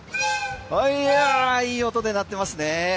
良い音で鳴ってますね。